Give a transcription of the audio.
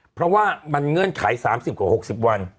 เพราะว่ามันเงื่อนไข๓๐กว่า๖๐วัน